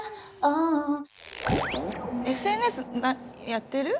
ＳＮＳやってる？